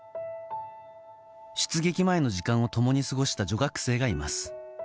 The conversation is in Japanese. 出撃前の時間を共に過ごした女学生がいます。